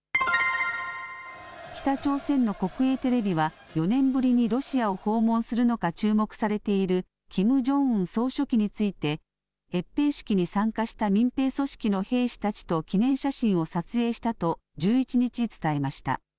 北朝鮮の国営テレビは４年ぶりにロシアを訪問するのか注目されているキム・ジョンウン総書記について閲兵式に参加した民兵組織の兵士たちと記念写真を撮影したと１１日、伝えました。